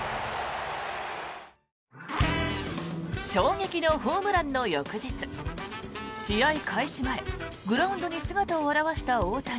衝撃のホームランの翌日試合開始前グラウンドに姿を現した大谷。